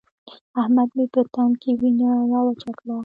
احمد مې په تن کې وينه راوچه کړه.